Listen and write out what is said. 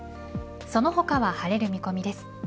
その他は晴れる見込みです。